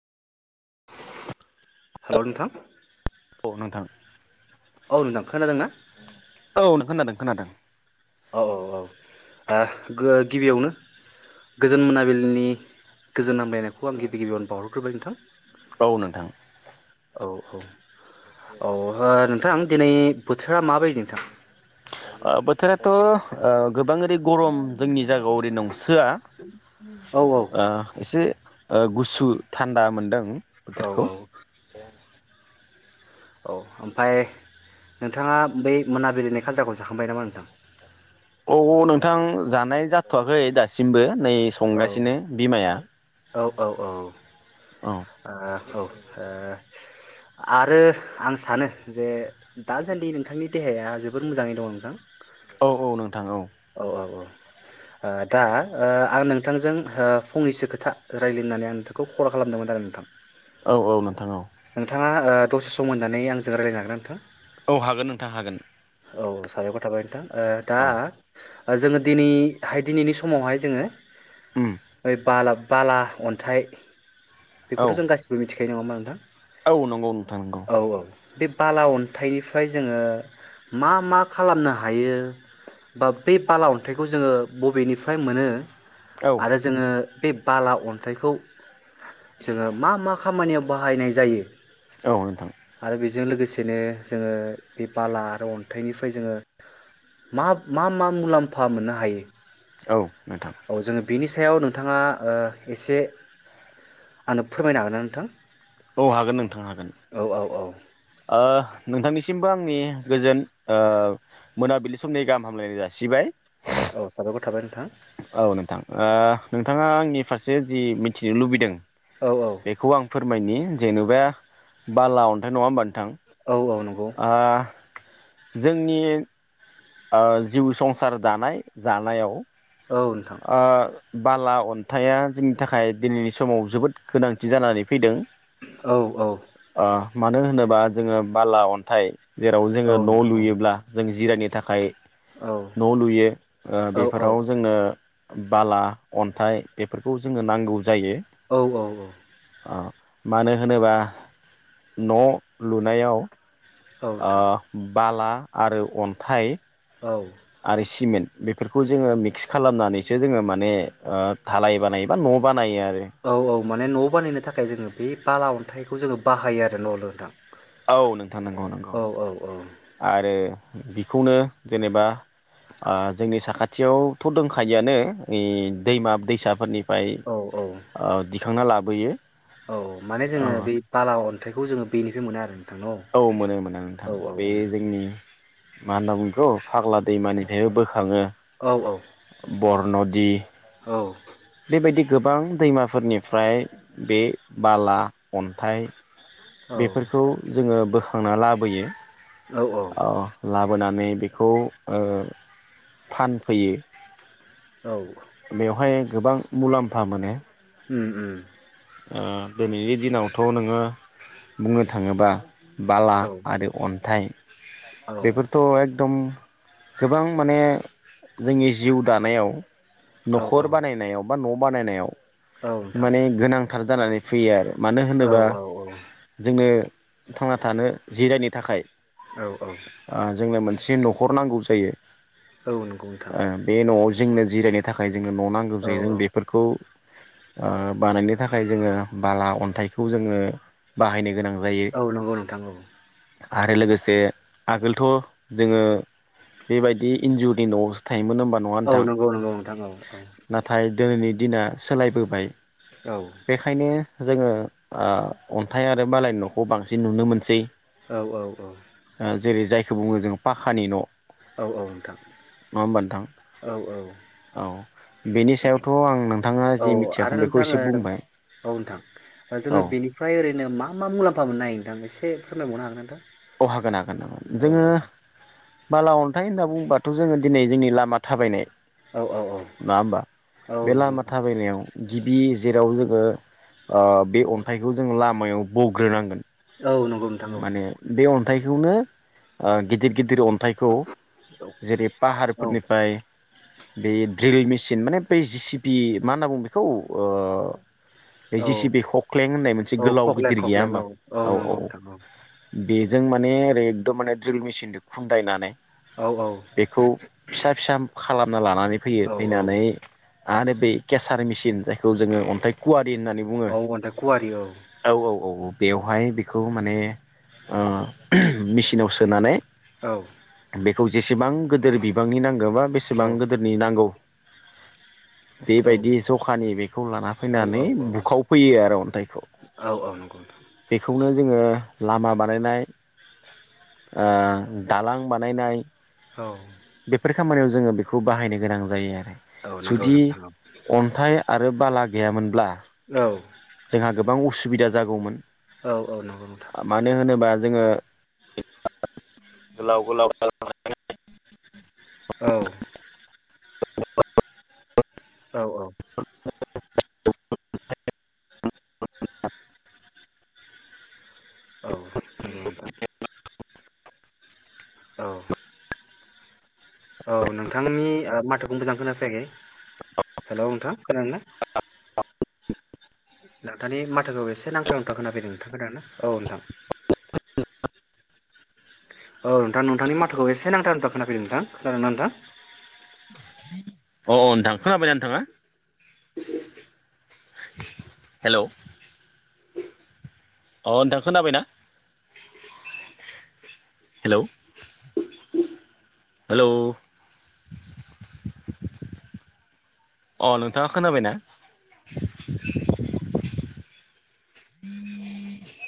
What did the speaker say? [inaudible] Hello नोंथां औ नोंथां औ नोंथां खोनादोंना औ नों खोनादों खोनादों औ औ औ ओ गिबियावनो गोजोन मोनाबिलिनि गोजोन हामलायनायखौ आं गिबि गिबियावनो बावहरग्रोबाय नोंथां औ नोंथां औ औ औ ओ नोंथां दिनै बोथोरा माबायदि नोंथां ओ बोथोराथ' ओ गोबां ओरै गरम जोंनि जायगायाव ओरै नंसोआ औ औ ओ एसे ओ गुसु थान्दा मोनदों। औ औ बोथोरखौ औ ओमफ्राय नोंथाङा बै मोनाबिलिनि खाजाखौ जाखांबाय नामा नोंथां? औ औ नोंथां जानाय जाथ'वाखै दासिमबो। नै औ संगासिनो बिमाया औ औ औ ओ औ औ ओ आरो आं सानो जे दासान्दि नोंथांनि देहाया जोबोर मोजाङै दङ' नोंथां। औ औ नोंथां औ औ औ ओ दा ओ आं नों थांजों ओ फंनैसो खोथा रायलायनोनानै आं नोंथांखौ खल खालामदोंमोन आरो नोंथां। औ औ नोंथां औ नोंथाङा ओ दसे सम होनानै आंजों रायलायनो हागोन ना नोंथां? औ हागोन नोंथां हागोन। औ साबायखर थाबाय नोंथां ओ औ दा जोङो दिनैहाय दिनैनि समावहाय उम जोङो [unintelligible] बाला अन्थाइ औ बेखौथ' जों गासिबो मिथिखायो नङा होमबा [inaudible] औ नंगौ नोंथां नंगौ औ औ बे बाला अन्थाइनिफ्राय जोङो मा मा खालामनो हायो बा बे बाला अन्थाइखौ जोङो बबेनिफ्राय मोनो? औ आरो जोङो बे बाला अन्थाइखौ जोङो मा मा खामानियाव बाहायनाय जायो? औ नोंथां। जों लोगोसेनो जोङो बे बाला आरो अन्थाइनिफ्राय जोङो मा मा मा मुलाम्फा मोननो हायो? औ नों औ जोङो बेनि सायाव नोंथाङा ओ एसे आंनो फोरमायनो हागोन ना नोंथां? औ हागोन नोंथां हागोन औ औ औ ओ नोंथांनिसिमबो आंनि गोजोन ओ मोनाबिलि समनि गाहाम हामलायनाय जासिबाय। औ साबायखर थाबाय नोंथां औ नोंथां ओ नोंथाङा आंनि फारसे जि मिथिनो लुबैदों औ औ बेखौ आं फो मायनि जेनेबा बाला अन्थाइ नङा होमबा नोंथां। [inaudible] औ औ नंगौ। ओ जोंनि। ओ जिउ संसार दानाय जानायाव। औ नोंथां। ओ बाला अन्थाइआ जोंनि थाखाय दिनैनि समाव जोबोद गोनांथि जानानै फैदों। औ औ। ओ मानो होनोबा जोङो बाला अन्थाइ। जेराव औ जोङो न' नोंथां औ लुयोब्ला जों जिरायनो थाखाय। थाखाय। न' लुयो ओ औ बेफोराव जोंनो बाला अन्थाइ बेफोरखौ जोंनो नांगौ। जायो औ औ ओ। मानो होनोबा न' लुनायाव ओ नोंथां बाला आरो अन्थाइ। औ। आरो सिमेन्ट बेफोरखौ जोङो मिक्स खालामनानैसो जोङो माने धालाय बानायो बा न' बानायो आरो औ औ। माने न' बानायनो थाखाय। जोङो बे बाला अन्थाइ अन्थाइखौ जोङो बाहायो आरो न' लुनो नोंथां। औ नोंथां नंगौ नंगौ औ औ आरो बिखौनो जेनेबा ओ जोंनि साखाथियावथ' दंखायोआनो ओ दैमा दैसाफोरनि फ्राय औ औ ओ दैखांना ला बोयो। औ माने जोङो बे बाला अन थायखौ जोङो बेनिफ्राय मोनो आरो। नोंथां औ मोनो मोनो औ नोंथां औ बे जोंनि मा होनना बुंङो बिखौ फाग्ला दैमानिफ्रायबो बो खाङो औ बरन'दि औ बेबायदि गोबां दैमाफोरनिफ्राय बे बाला अन्थाइ औ बेफोरखौ जोङो बो खांना लाबोयो। औ औ लाबोनानै बेखौ ओ फानफैयो, औ। बेवहाय गोबां मुलाम्फा मोनो। उम उम। ओ दिनैनि दिनावथ' नोङो बुंनो थाङोबा बाला औ आरो अन्थाइ औ बेफोरथ' एकदम गोबां माने जोंनि जिउ दानायाव औ नखर बानायनायाव बा न' बानायनायाव औ नोंथां। थार जानानै फैयो आरो। मानो औ होनोबा औ जोंनो थांना थानो जिरायनो थाखाय औ औ ओ जोंनो मोन से नखर नांगौ जायो। औ नंगौ नोंथां। ओ बे न'आव जोंनो जिरायनो थाखाय जोंनो न' नांगौ जायो। जों औ औ बेफोरखौ आ बानायनो थाखाय जोङो बाला अन्थाइखौ जोङो बाहायनो गोनां जायो औ नंगौ नोंथां औ। आरो लोगोसे आगोलथ जोङो बेबायदि इनजुरनि नआवसो थायोमोन ओम औ नंगौ नंगौ नोंथां औ औ। नाथाय दिनैनि दिना सोलायबोबाय। औ बेखायनो जोङो आ अन्थाइ आरो बालायनि नखौ बांसिन नुनो मोनसै। औ औ औ। खौ बुङो जों पाखानि न औ औ नोंथां नङा होमबा नोंथां? औ औ औ। बेनि सायावथ आं नोंथाङा औ जि आरो मिथियाखैमोन बेखौ नोंथां एसे बुंबाय औ नोंथां। औ जोङो बेनिफ्राय ओरैनो मा मा मुलाम्फा मोननो हो नोंथां? एसे फोरमाय बावनो हागोन ना नोंथां? अ हागोन हागोन [unintelligible] औ जोङो बाला अन्थाइ होनना बुङोबाथ जोङो दिनै जोंनि लामा थाबायनाय औ औ औ नङा होमबा? औ बे नंगौ नोंथां लामा थाबायनायाव गिबि जेराव जोङो ओ बे अन्थाइखौ जों लामायाव बग्रोनांगोन औ नंगौ नोंथां औ माने बे अन थायखौनो ओ गिदिर गिदिर अन्थाइखौ जेरै औ पाहारफोरनिफ्राय बे द्रिल मेचिन माने बै जिसिपि मा होन्ना बुंङो बेखौ बे औ जेसि बे हख्लें होननाय मोनसे औ गोलाव खख्लें गिदिर गैया खख्लें होमबा? औ औ नंगौ औ नोंथां बेज जों माने ओरैखदम माने र्दिल मेसिनजों खुन्दायनानै बेखौ फिसा फिसा खालाम लानानै फैयो औ औ फैनानै आरो बे केसार मेसिन जायखौ जोङो अन्थाइ खुवाट दे होननानै बुङो औ अन्थाइ खुवारि औ औ औ औ बेवहाय बेखौ माने ओ मेसिनाव सोनानै औ खौ जेसेबां गोदोर बिबांनि नां गोबा औ बेसेबां गोदोरनि नांगौ बेबायदि जखानि बेखौ लाना औ फैनानै बुखावफैयो आरो अन्थाइखौ औ औ नंगौ नोंथां बेखौनो जोङो लामा बानायनाय ओ दालां बानायनाय औ बेफोर खामानियाव जोङो बेखौ बाहायनो गोनां जायो। औ नंगौ जुदि नोंथां अन्थाइ आरो बाला गैयामोनब्ला औ जोंहा गोबां उस बिदा जागौमोन औ औ नंगौ नोंथां मानो होनोबा जोङो [unintelligible] औ [unintelligible] औ औ [unintelligible] औ नोंगौ ओनथां औ औ नोंथांनि माथोखौ मोजां खोनाफैाखै हेलौ नोंथां खोनादोंना नोंथांनि माथोखौ एसे नांथा नांथा खोनाफैदों नोंथां [unintelligible] औ नोंथां औ नोंथां नोंथांनि माथोखौ एसे नांथा नांथा खोनाफैदों नोंथां खोनादोंना नोंथां? अ नोंथां खोनाबायना नोंथाङा हेल' अ नोंथां खोनाबायना हेलौ हेलौ अ नोंथाङा खोनाबायना? [inaudible]